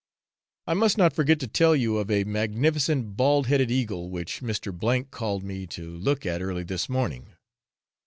I must not forget to tell you of a magnificent bald headed eagle which Mr. called me to look at early this morning.